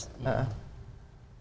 kok kan didengar